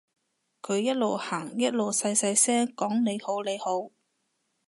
佢一路行一路細細聲講你好你好